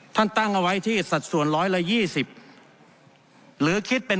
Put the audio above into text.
ท่านตั้งเอาไว้ที่สัดส่วนร้อยละยี่สิบหรือคิดเป็น